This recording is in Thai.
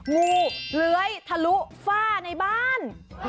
งูเลื้อยทะลุฝ้าในบ้าน